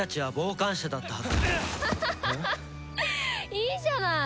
いいじゃない。